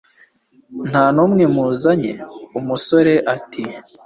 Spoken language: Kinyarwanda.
ntanumwe muzanye! umusore nawe ati